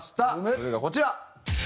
それがこちら。